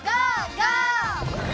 ゴー！